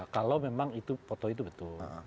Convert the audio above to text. kalau memang itu foto itu betul